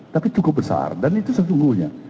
tapi cukup besar dan itu sesungguhnya